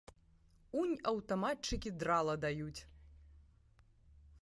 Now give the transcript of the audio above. Унь аўтаматчыкі драла даюць.